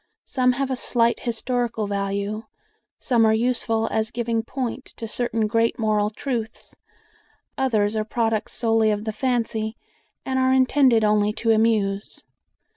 Some have a slight historical value; some are useful as giving point to certain great moral truths; others are products solely of the fancy, and are intended only to amuse.